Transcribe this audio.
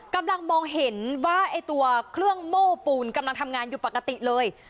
กำลังมองเห็นว่าไอ้ตัวเครื่องโม้ปูนกำลังทำงานอยู่ปกติเลย